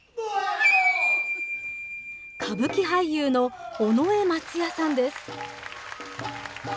歌舞伎俳優の尾上松也さんです。